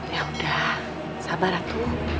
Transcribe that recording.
ya udah sabar atuh